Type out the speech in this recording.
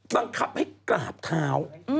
บังคับให้กราบเท้า